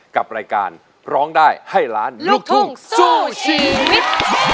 กับรายการร้องได้ให้ล้านลูกทุ่งสู้ชีวิต